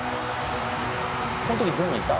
この時ゾノいた？